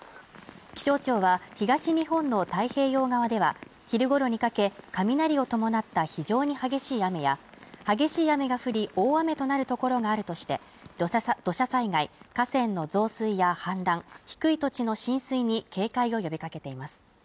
気象庁は東日本の太平洋側では昼ごろにかけ、雷を伴った非常に激しい雨や激しい雨が降り、大雨となるところがあるとして土砂災害、河川の増水や氾濫、低い土地の浸水に警戒を呼びかけています。